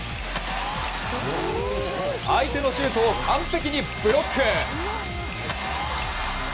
相手のシュートを完璧にブロック。